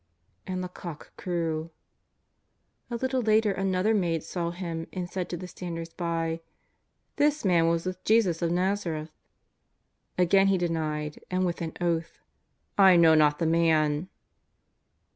And the cock crew. A little later another maid saw him and said to the standers by: " This man was with Jesus of Xazareth." Again he denied and with an oath :^^ I know not the Man."